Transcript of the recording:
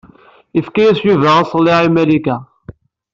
Yefka-yas Yuba aṣelliɛ i Malika.